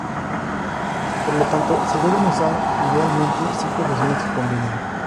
Por lo tanto se deben usar idealmente cinco bocinas que combinan.